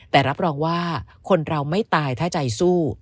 แต่รับรองว่าคนเราไม่ตายถ้าใจสู้